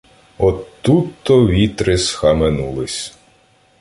От тут-то вітри схаменулись